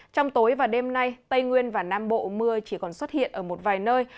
trong tối và đêm nay tây nguyên và nam bộ mưa chỉ còn xuất hiện ở một vài nơi